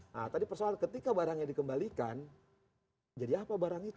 nah tadi persoalan ketika barangnya dikembalikan jadi apa barang itu